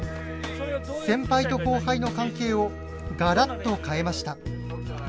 先輩と後輩の関係をガラッと変えました。